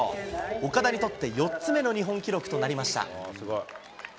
岡田にとって４つ目の日本記録となりました。